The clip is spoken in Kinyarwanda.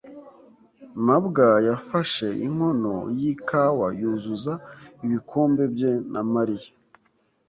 mabwa yafashe inkono yikawa yuzuza ibikombe bye na Mariya.